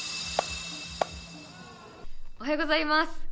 おはようございます。